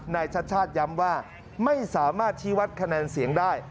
ชัดชาติย้ำว่าไม่สามารถชี้วัดคะแนนเสียงได้